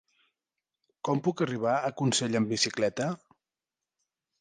Com puc arribar a Consell amb bicicleta?